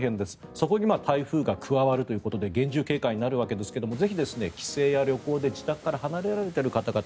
そこに台風が加わるということで厳重警戒になるわけですがぜひ帰省や旅行で自宅から離れられている方々